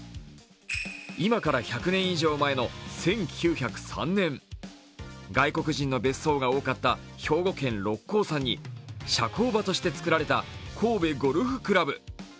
今から１００年以上前の１９０３年外国人の別荘が多かった兵庫県・六甲山に社交場として作られた神戸ゴルフ倶楽部。